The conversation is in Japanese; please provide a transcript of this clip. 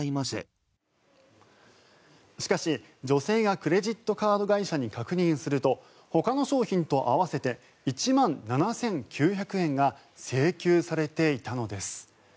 しかし、女性がクレジットカード会社に確認するとほかの商品と合わせて１万７９００円が請求されていたのです。